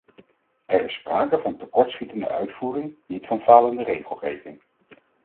Er is sprake van tekortschietende uitvoering, niet van falende regelgeving.